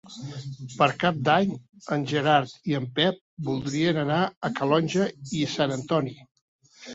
Per Cap d'Any en Gerard i en Pep voldrien anar a Calonge i Sant Antoni.